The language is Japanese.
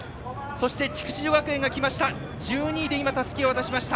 筑紫女学園が来ました。